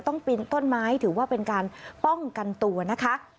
ปีนต้นไม้ถือว่าเป็นการป้องกันตัวนะคะ